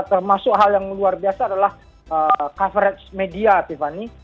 termasuk hal yang luar biasa adalah coverage media tiffany